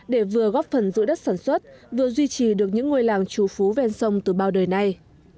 để vừa góp phần giữ đất sản xuất vừa duy trì được những ngôi làng trù phú ven sông từ bao đời nay